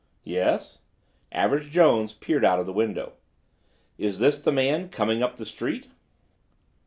"Yes?" Average Jones peered out of the window. "Is this the man, coming up the street?"